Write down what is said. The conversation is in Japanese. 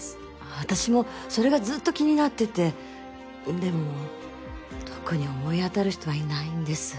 私もそれがずっと気になっててでも特に思い当たる人はいないんです。